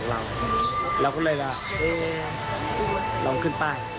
เราก็เลยจะลองขึ้นป้าย